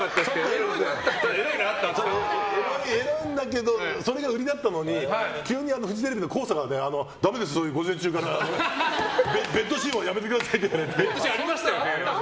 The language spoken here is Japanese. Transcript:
エロいんだけどそれが売りだったのに急にフジテレビの人から午前中からベッドシーンはやめてくださいって。